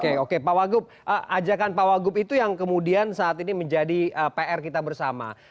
oke oke pak wagup ajakan pak wagub itu yang kemudian saat ini menjadi pr kita bersama